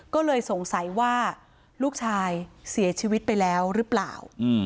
ก็เลยสงสัยว่าลูกชายเสียชีวิตไปแล้วหรือเปล่า